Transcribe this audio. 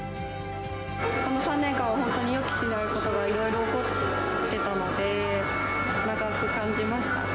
この３年間は本当に予期せぬことがいろいろ起こってたので、長く感じました。